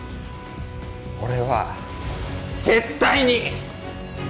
俺は絶対に！